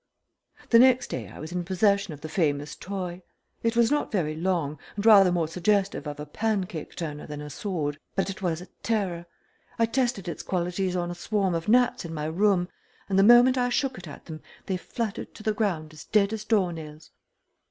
The next day I was in possession of the famous toy. It was not very long, and rather more suggestive of a pancake turner than a sword, but it was a terror. I tested its qualities on a swarm of gnats in my room, and the moment I shook it at them they fluttered to the ground as dead as door nails.